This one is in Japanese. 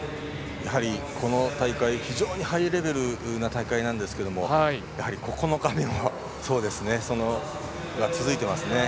やはりこの大会非常にハイレベルな大会ですが９日目も続いていますね。